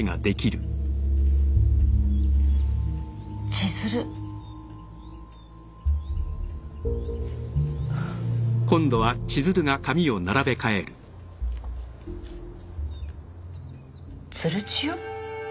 「千鶴」「鶴千代」？